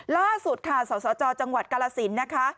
ล่าสุดค่ะสาวจกราศิลป์นะคะ